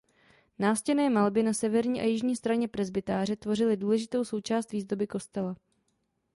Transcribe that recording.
Nástěnné malby na severní a jižní straně presbytáře tvořily důležitou součást výzdoby kostela.